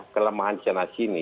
kelemahan di sana sini